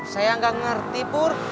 saya gak ngerti pur